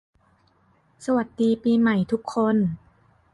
สวัสดีปีใหม่ทุกคน